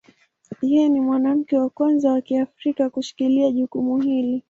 Yeye ni mwanamke wa kwanza wa Kiafrika kushikilia jukumu hili.